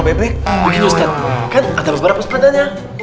bikin ustaz kan ada beberapa sepadanya